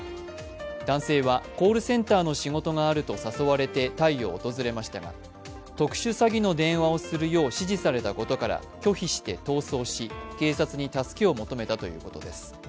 男性はコールセンターの仕事があると誘われてタイを訪れましたが特殊詐欺の電話をするよう指示されたことから拒否して逃走し警察に助けを求めたということです。